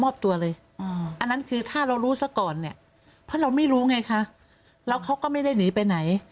เพราะเราไม่รู้ไงค่ะแล้วเขาก็ไม่ได้หนีไปไหน